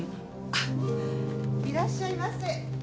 あっいらっしゃいませ。